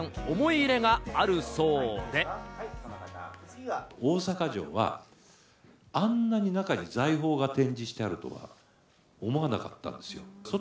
なんでも中井さん、思い入れがあ大阪城は、あんなに中に財宝が展示してあるとは思わなかったんですよ。